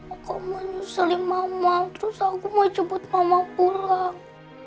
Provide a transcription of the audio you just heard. aku menyeseling mama terus aku mau jemput mama pulang